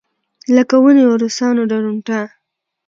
لکه ونېوه روسانو درونټه.